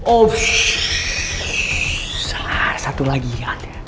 oh salah satu lagi ya